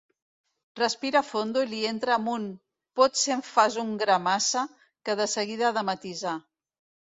Respira fondo i li entra amb un potser-en-fasun-gra-massa que de seguida ha de matisar.